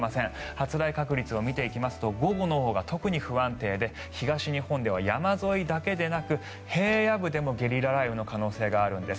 発雷確率を見ていきますと午後のほうが特に不安定で東日本では山沿いだけでなく平野部でもゲリラ雷雨の可能性があるんです。